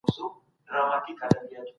هغه آسیا ته سفر کړی و.